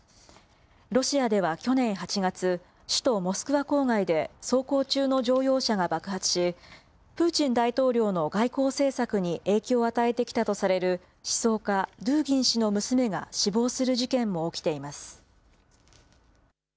ロシアでは去年８月、首都モスクワ郊外で走行中の乗用車が爆発し、プーチン大統領の外交政策に影響を与えてきたとされる思想家、ドゥーギン氏の娘が死亡する事件も起きています。